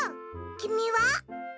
きみは？